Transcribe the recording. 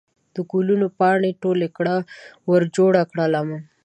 د ګلو پاڼې ټولې کړه ورجوړه کړه لمن